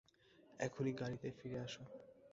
এক্ষুনি গাড়িতে ফিরে আসো।